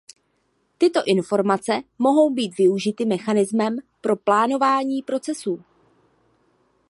Tyto informace mohou být využity mechanismem pro plánování procesů.